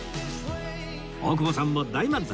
大久保さんも大満足